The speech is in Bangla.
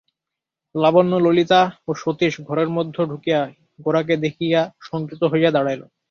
লাবণ্য ললিতা ও সতীশ ঘরের মধ্যে ঢুকিয়াই গোরাকে দেখিয়া সংযত হইয়া দাঁড়াইল।